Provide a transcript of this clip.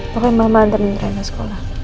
pokoknya mama antar rena ke sekolah